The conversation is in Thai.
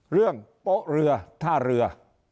เรื่องป๊อเรือท่าเรือ